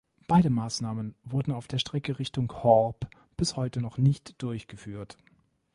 Beide Maßnahmen wurden auf der Strecke Richtung Horb bis heute noch nicht durchgeführt.